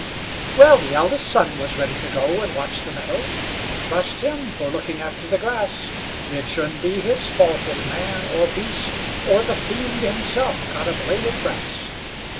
Well, the eldest son was ready to go and watch the meadow; trust him for looking after the grass! It shouldn't be his fault if man or beast, or the fiend himself, got a blade of grass.